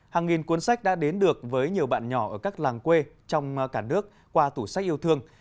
hàng nghìn cuốn sách đã đến được với nhiều bạn nhỏ ở các làng quê trong cả nước qua tủ sách yêu thương